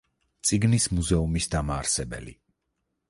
წიგნის მუზეუმის დამაარსებელი.